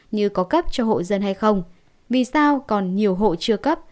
như có cấp cho hộ dân hay không vì sao còn nhiều hộ chưa cấp